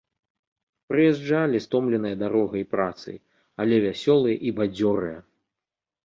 Прыязджалі стомленыя дарогай і працай, але вясёлыя і бадзёрыя.